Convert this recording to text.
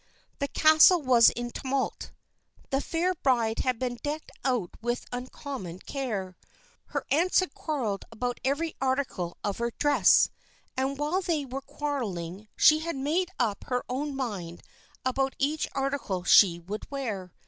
The castle was in a tumult. The fair bride had been decked out with uncommon care. Her aunts had quarreled about every article of her dress, and while they were quarreling, she had made up her own mind about each article she would wear.